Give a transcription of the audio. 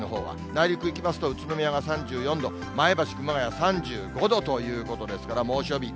内陸いきますと、宇都宮が３４度、前橋、熊谷３５度ということですから、猛暑日。